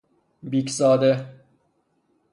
بیک زاده